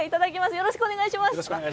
よろしくお願いします。